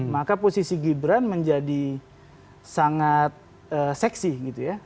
maka posisi gibran menjadi sangat seksi gitu ya